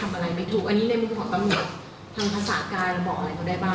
อันนี้ในมุมของกำหนดทางภาษาการบอกอะไรก็ได้บ้าง